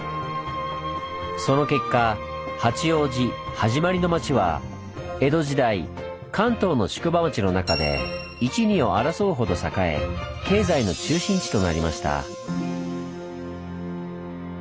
その結果八王子はじまりの町は江戸時代関東の宿場町の中で一二を争うほど栄え経済の中心地となりました。